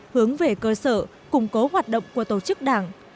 hướng về cơ sở củng cố hoạt động của tổ chức đảng